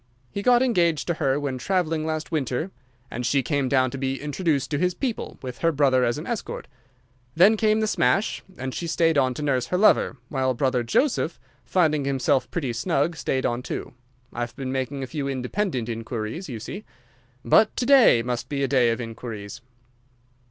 He got engaged to her when traveling last winter, and she came down to be introduced to his people, with her brother as escort. Then came the smash, and she stayed on to nurse her lover, while brother Joseph, finding himself pretty snug, stayed on too. I've been making a few independent inquiries, you see. But to day must be a day of inquiries."